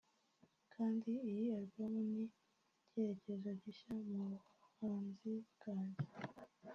kandi iyi album ni icyerekezo gishya mu buhanzi bwanjye